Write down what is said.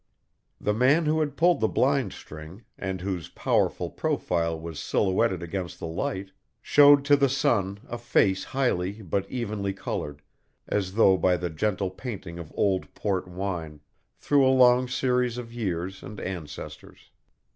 The man who had pulled the blind string, and whose powerful profile was silhouetted against the light, showed to the sun a face highly but evenly coloured, as though by the gentle painting of old port wine, through a long series of years and ancestors.